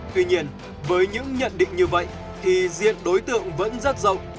tuy nhiên với những nhận định như vậy thì diện đối tượng vẫn rất rộng